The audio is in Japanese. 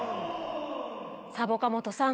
サボカもとさん。